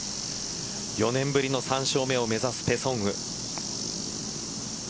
４年ぶりの３勝目を目指すペ・ソンウ。